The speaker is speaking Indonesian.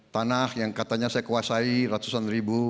tanah yang katanya saya kuasai ratusan ribu